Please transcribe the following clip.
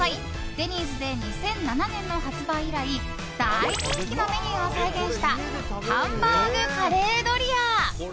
デニーズで２００７年の発売以来大人気のメニューを再現したハンバーグカレードリア！